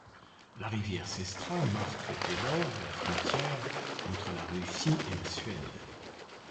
La rivière Sestra marque dès lors la frontière entre la Russie et la Suède.